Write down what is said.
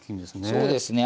そうですね